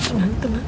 kakak tenang tenang